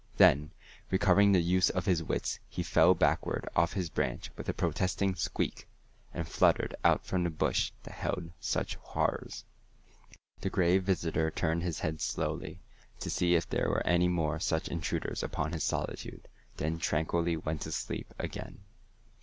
Then, recovering the use of his wits, he fell backward off his branch with a protesting squeak, and fluttered out from the bush that held such horrors. The Gray Visitor turned his head slowly, to see if there were any more such intruders upon his solitude, then tranquilly went to sleep again.